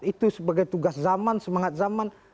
itu sebagai tugas zaman semangat zaman